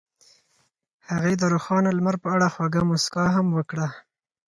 هغې د روښانه لمر په اړه خوږه موسکا هم وکړه.